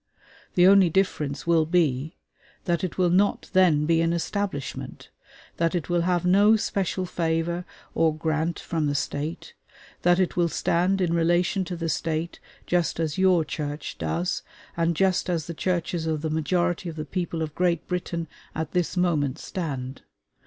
The only difference will be, that it will not then be an establishment that it will have no special favor or grant from the State that it will stand in relation to the State just as your Church does, and just as the churches of the majority of the people of Great Britain at this moment stand.